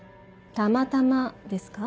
たまたまですか？